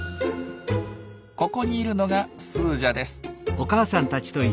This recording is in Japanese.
ここにいるのがスージャです。